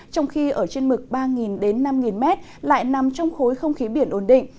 trong khi ở trên mực ba năm m lại nằm trong khối không khí biển ổn định